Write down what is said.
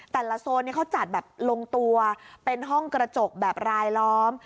โซนนี้เขาจัดแบบลงตัวเป็นห้องกระจกแบบรายล้อม